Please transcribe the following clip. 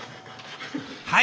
はい。